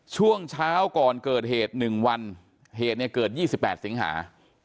ช่วงเช้าก่อนเกิดเหตุ๑วันเหตุเนี่ยเกิด๒๘สิงหา